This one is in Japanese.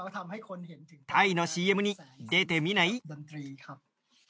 タイのＣＭに出てみない？